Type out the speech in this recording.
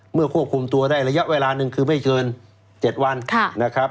ควบคุมตัวได้ระยะเวลาหนึ่งคือไม่เกิน๗วันนะครับ